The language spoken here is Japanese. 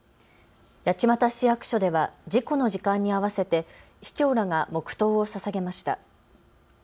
八街市役所では事故の時間に合わせて市長らが黙とうを捧げました。